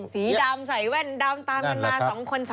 สีดำใส่แว่นดำตามกันมา๒คน๓